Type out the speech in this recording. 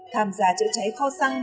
tham gia chữa cháy kho xăng